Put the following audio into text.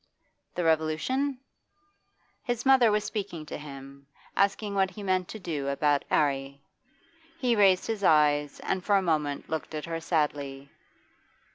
The Revolution?... His mother was speaking to him, asking what he meant to do about 'Arry. He raised his eyes, and for a moment looked at her sadly.